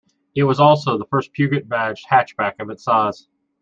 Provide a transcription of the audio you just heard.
It was also the first Peugeot-badged hatchback of this size.